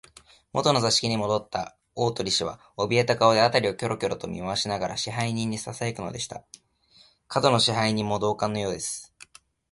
もとの座敷にもどった大鳥氏は、おびえた顔で、あたりをキョロキョロと見まわしながら、支配人にささやくのでした。門野支配人も同感のようです。